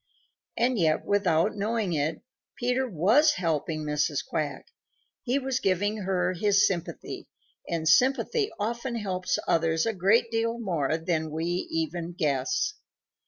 And yet without knowing it, Peter WAS helping Mrs. Quack. He was giving her his sympathy, and sympathy often helps others a great deal more than we even guess.